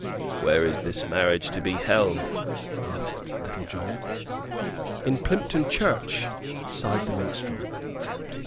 "Where is this marriage to be held?" asked Little John. "In Plympton church," sighed the minstrel.